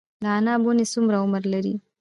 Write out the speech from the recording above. د عناب ونې څومره عمر لري؟